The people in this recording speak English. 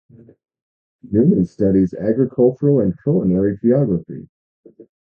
Newman studies agricultural and culinary geography.